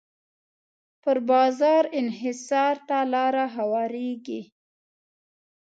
پر بازار انحصار ته لاره هواریږي.